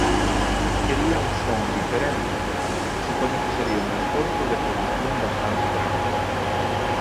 Quería un son diferente Supoño que sería un esforzo de produción bastante grande.